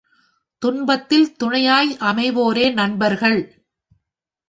துன்பத்தில் துணையாய் அமைவோரே நண்பர்கள்.